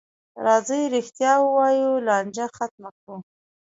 راځئ رښتیا ووایو، لانجه ختمه کړو.